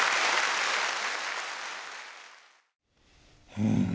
うん。